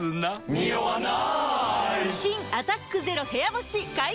ニオわない！